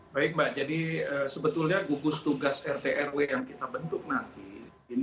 baik mbak jadi sebetulnya gugus tugas rt rw yang kita bentuk nanti